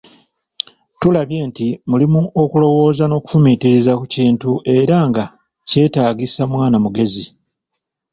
Tulabye nti mulimu okulwooza n’okufumiitiriza ku kintu era nga kyetaagisa mwana mugezi.